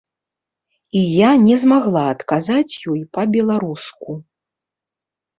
І я не змагла адказаць ёй па-беларуску.